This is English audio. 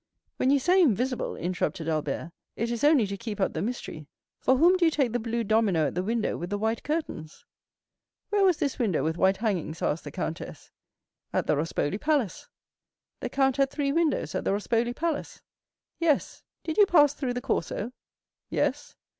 "When you say invisible," interrupted Albert, "it is only to keep up the mystery; for whom do you take the blue domino at the window with the white curtains?" "Where was this window with white hangings?" asked the countess. "At the Rospoli Palace." "The count had three windows at the Rospoli Palace?" "Yes. Did you pass through the Corso?" "Yes."